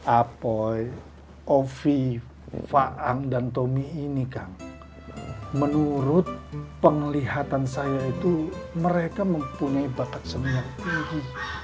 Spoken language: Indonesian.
apoy ovi fa'am dan tommy ini kan menurut penglihatan saya itu mereka mempunyai bakat seni yang tinggi